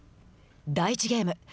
第１ゲーム。